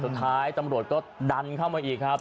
สุดท้ายตำรวจก็ดันเข้ามาอีกครับ